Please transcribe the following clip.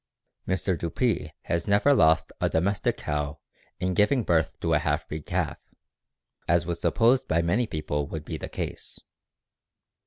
"Mr. Dupree has never lost a [domestic] cow in giving birth to a half breed calf, as was supposed by many people would be the case.